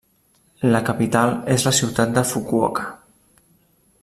La capital és la ciutat de Fukuoka.